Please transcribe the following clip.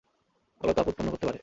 আলো তাপ উৎপন্ন করতে পারে।